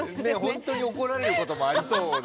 本当に怒れることもありそうで。